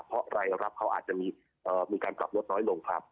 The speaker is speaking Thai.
เพราะรายรับเขาอาจจะมีการปรับลดน้อยลงครับ